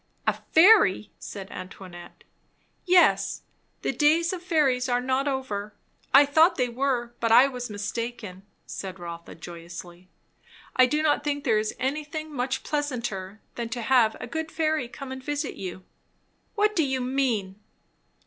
"A fairy!" said Antoinette. "Yes, the days of fairies are not over. I thought they were, but I was mistaken," said Rotha joyously. "I do not think there is anything much pleasanter, than to have a good fairy come and visit you." "What do you mean?"